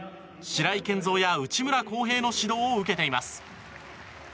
白井健三や内村航平の指導を受けています。